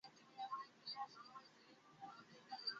তারা জীবিত না মৃত তাও আমরা জানি না।